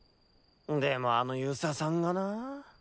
でもあの遊佐さんがなぁ。